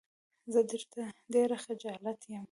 زه درته ډېر خجالت يم.